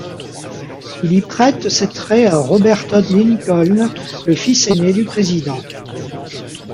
Il y prête ses traits à Robert Todd Lincoln, le fils aîné du président.